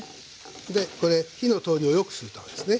これ火の通りをよくするためですね。